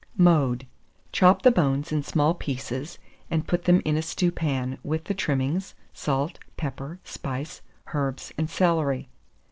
Mode. Chop the bones in small pieces, and put them in a stewpan, with the trimmings, salt, pepper, spice, herbs, and celery.